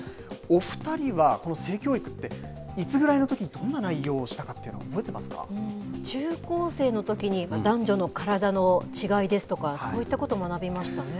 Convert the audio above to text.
お２人は、この性教育って、いつぐらいのときに、どんな内容をし中高生のときに、男女の体の違いですとか、そういったこと学びましたね。